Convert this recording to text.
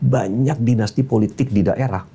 banyak dinasti politik di daerah